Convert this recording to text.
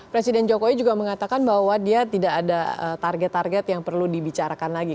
presiden jokowi juga mengatakan bahwa dia tidak ada target target yang perlu dibicarakan lagi